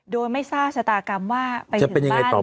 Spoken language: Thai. โดยไม่ทราบจตากรรมว่าไปถึงบ้านแล้วจะเป็นยังไงตอบ